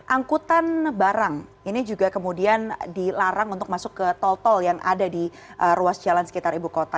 angkutan barang ini juga kemudian dilarang untuk masuk ke tol tol yang ada di ruas jalan sekitar ibu kota